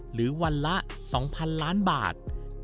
หรือวันละ๒๐๐๐ล้านบาท